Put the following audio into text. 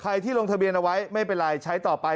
ที่ลงทะเบียนเอาไว้ไม่เป็นไรใช้ต่อไป